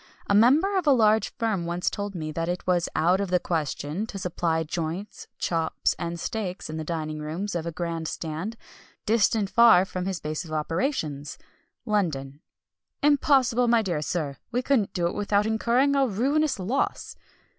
A member of a large firm once told me that it was "out of the question" to supply joints, chops, and steaks in the dining rooms of a grand stand, distant far from his base of operations, London. "Impossible, my dear sir! we couldn't do it without incurring a ruinous loss."